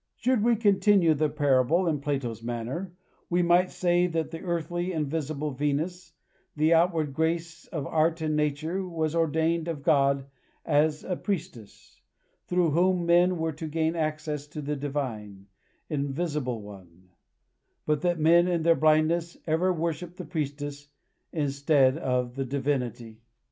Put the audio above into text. Should we continue the parable in Plato's manner, we might say that the earthly and visible Venus, the outward grace of art and nature, was ordained of God as a priestess, through whom men were to gain access to the divine, invisible One; but that men, in their blindness, ever worship the priestess instead of the divinity.